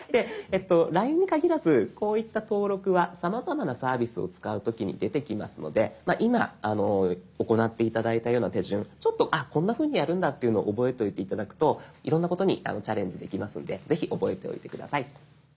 「ＬＩＮＥ」に限らずこういった登録はさまざまなサービスを使う時に出てきますので今行って頂いたような手順ちょっと「あっこんなふうにやるんだ」っていうのを覚えておいて頂くといろんなことにチャレンジできますのでぜひ覚えておいて下さい。